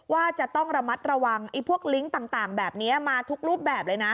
ว่าจะต้องระมัดระวังของลิงค์ต่างมาทุกรูปแบบ